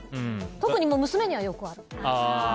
特に娘にはよくある。